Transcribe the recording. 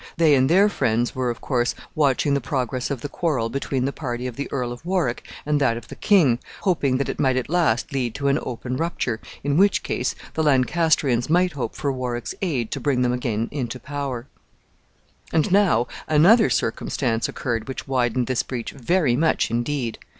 They and their friends were, of course, watching the progress of the quarrel between the party of the Earl of Warwick and that of the king, hoping that it might at last lead to an open rupture, in which case the Lancastrians might hope for Warwick's aid to bring them again into power. [Illustration: WARWICK IN THE PRESENCE OF THE FRENCH KING.] And now another circumstance occurred which widened this breach very much indeed.